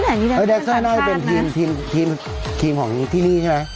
แดนเซอร์น่าจะเป็นทีมของที่นี่ใช่ไหม